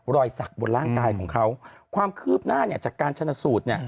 รอยสักบนร่างกายของเขาความคืบหน้าเนี่ยจากการชนะสูตรเนี่ย